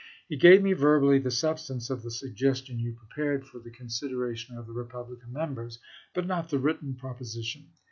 He gave me verbally the substance of the suggestion you prepared for the consideration of the Republican Members, but not the written proposition.